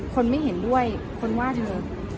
คนไม่เห็นด้วยคนว่าเธอ